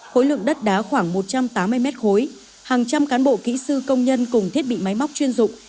khối lượng đất đá khoảng một trăm tám mươi m ba hàng trăm cán bộ kỹ sư công nhân cùng thiết bị máy móc chuyên dụng